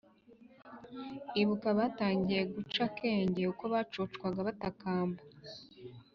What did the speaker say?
ibuka abatangiye guca akenge uko bacocwaga batakamba